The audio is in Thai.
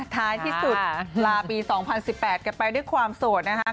ท้ายที่สุดลาปี๒๐๑๘กันไปด้วยความโสดนะครับ